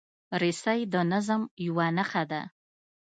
رسۍ د نظم یوه نښه ده.